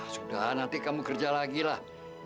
sudah nanti kamu kerja lagi lah